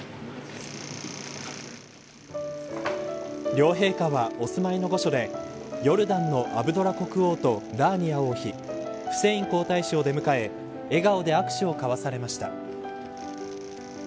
両陛下は、お住まいの御所でヨルダンのアブドラ国王とラーニア王妃フセイン皇太子を出迎え笑顔で握手を交わされました。